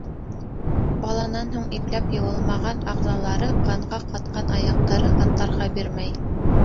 Баланан һуң ипләп йыуылмаған ағзалары, ҡанға ҡатҡан аяҡтары атларға бирмәй.